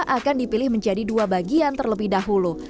akan dipilih menjadi dua bagian terlebih dahulu